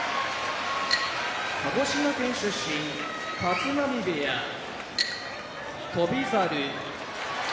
鹿児島県出身立浪部屋翔猿